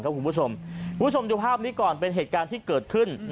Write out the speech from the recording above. คุณผู้ชมผู้ชมดูภาพนี้ก่อนเป็นเหตุการณ์ที่เกิดขึ้น